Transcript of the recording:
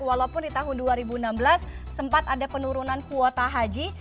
walaupun di tahun dua ribu enam belas sempat ada penurunan kuota haji